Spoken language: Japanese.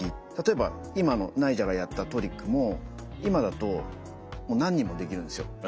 例えば今のナイジャがやったトリックも今だともう何人もできるんですよ。